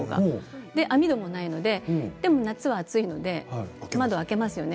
網戸もないのででも、夏は暑いので窓を開けますよね。